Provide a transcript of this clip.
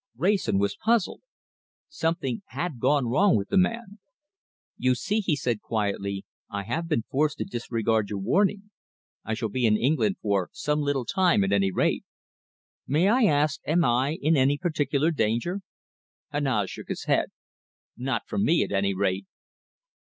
Wrayson was puzzled. Something had gone wrong with the man. "You see," he said quietly, "I have been forced to disregard your warning. I shall be in England for some little time at any rate. May I ask, am I in any particular danger?" Heneage shook his head. "Not from me, at any rate!"